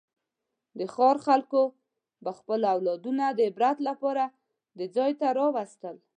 د ښار خلکو به خپل اولادونه د عبرت لپاره دې ځای ته راوستل.